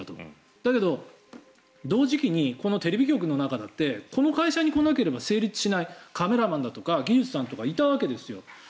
だけど、同時期にこのテレビ局の中だってこの会社に来なければ成立しないカメラマンだとか技術さんとかいたわけですよ。